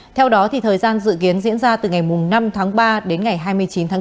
theo đó thời gian dự kiến diễn ra từ ngày năm tháng ba đến ngày hai mươi chín tháng bốn